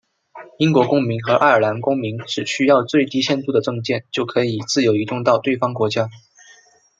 英国公民和爱尔兰公民只需要最低限度的证件就可以自由移动到对方国家。